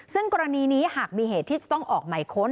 ซึ่งกรณีนี้หากมีเหตุที่จะต้องออกหมายค้น